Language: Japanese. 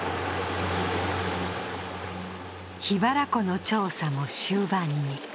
．．．桧原湖の調査も終盤に。